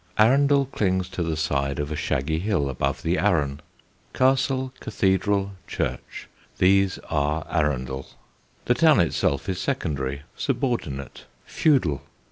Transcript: Arundel clings to the side of a shaggy hill above the Arun. Castle, cathedral, church these are Arundel; the town itself is secondary, subordinate, feudal.